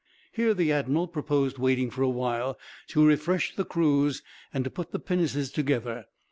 Here the admiral purposed waiting for a while, to refresh the crews and to put the pinnaces together.